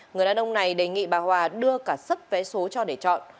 người đàn ông này đề nghị bà hòa đưa cả sấp vé số cho để chọn